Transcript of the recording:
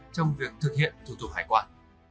trong việc thực hiện thủ tục hải quan